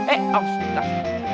eh oh sudah